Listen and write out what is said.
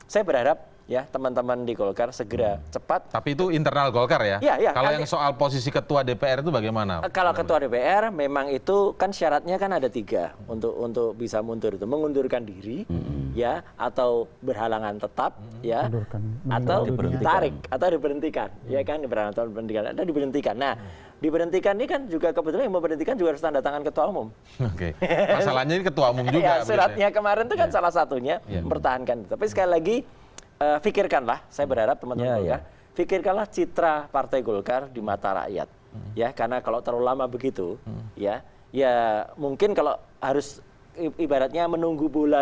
saya kira memang tidak terlalu lama